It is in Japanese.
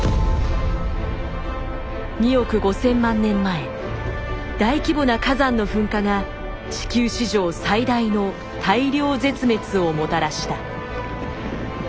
２億５，０００万年前大規模な火山の噴火が地球史上最大の大量絶滅をもたらした。